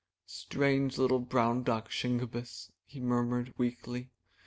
''Strange little brown duck, Shingebiss," he mur mured weakly.